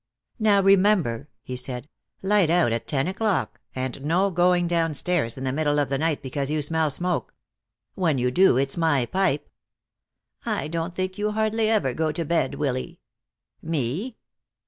"Now remember," he said, "light out at ten o'clock, and no going downstairs in the middle of the night because you smell smoke. When you do, it's my pipe." "I don't think you hardly ever go to bed, Willy." "Me?